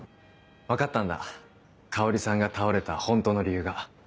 分かったんだ香織さんが倒れた本当の理由が。